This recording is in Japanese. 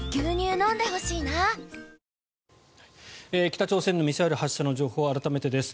北朝鮮のミサイル発射の情報改めてです。